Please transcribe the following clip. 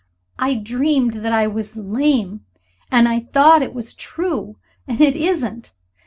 "I dreamed that I was lame! And I thought it was true. And it isn't!